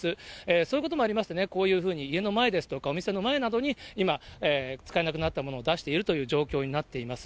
そういうこともありましてね、こういうふうに家の前ですとか、お店の前などに、今、使えなくなったものを出しているという状況になっています。